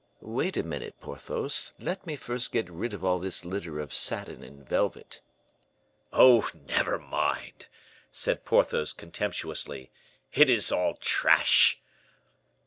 "Wait a minute, Porthos; let me first get rid of all this litter of satin and velvet!" "Oh, never mind," said Porthos, contemptuously; "it is all trash."